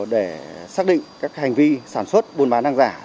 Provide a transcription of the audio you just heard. để xác định các hành vi sản xuất buôn bán hàng giả